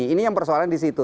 ini yang persoalan di situ